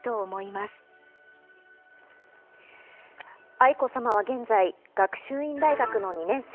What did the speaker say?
愛子さまは現在、学習院大学の２年生。